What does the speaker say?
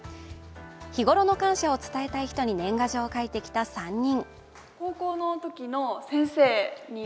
日頃の感謝を伝えたい人に年賀状を書いてきた３人。